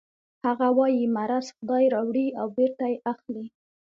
هغه وايي مرض خدای راوړي او بېرته یې اخلي